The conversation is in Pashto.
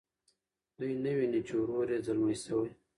دوی نه ویني چې ورور یې ځلمی شوی.